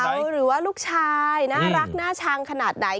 หรือว่าลูกชายน่ารักน่าชังขนาดไหน